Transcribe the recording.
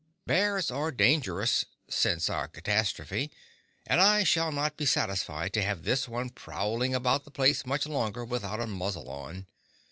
Bears are dangerous—since our catastrophe—and I shall not be satisfied to have this one prowling about the place much longer without a muzzle on.